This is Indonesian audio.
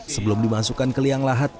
sebelum dimasukkan ke liang lahat